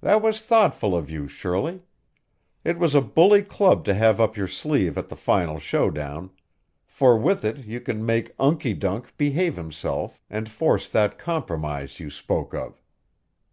"That was thoughtful of you, Shirley. It was a bully club to have up your sleeve at the final show down, for with it you can make Unkie dunk behave himself and force that compromise you spoke of.